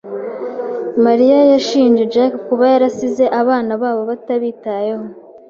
Mariya yashinje Jack kuba yarasize abana babo batabitayeho.